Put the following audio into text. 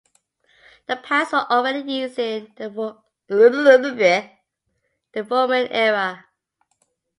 The pass was already in use in the Roman era.